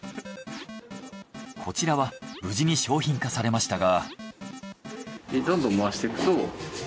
こちらは無事に商品化されましたが。